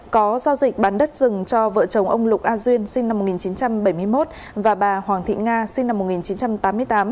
có giao dịch bán đất rừng cho vợ chồng ông lục a duyên sinh năm một nghìn chín trăm bảy mươi một và bà hoàng thị nga sinh năm một nghìn chín trăm tám mươi tám